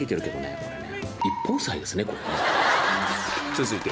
続いて